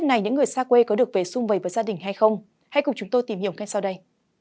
hãy cùng chúng tôi tìm hiểu ngay sau đây